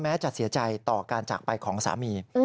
จะเสียใจต่อการจากไปของสามี